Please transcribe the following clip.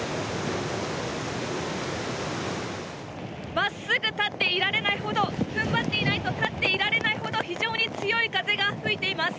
真っすぐ立っていられないほど踏ん張っていないと立っていられないほど非常に強い風が吹いています。